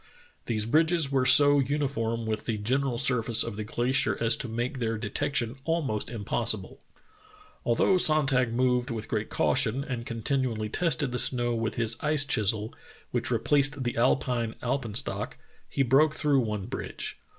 These bridges were so uniform with the general surface of the glacier as to make their de tection almost impossible. Although Sonntag moved with great caution and continually tested the snow with his ice chisel, which replaced the Alpine alpen stock, he broke through one bridge.